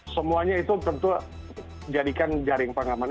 semuanya itu tentu jadikan jaring pengaman